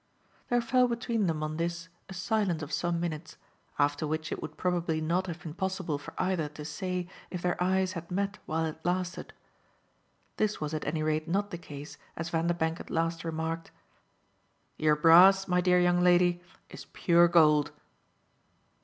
There fell between them on this a silence of some minutes, after which it would probably not have been possible for either to say if their eyes had met while it lasted. This was at any rate not the case as Vanderbank at last remarked: "Your brass, my dear young lady, is pure gold!"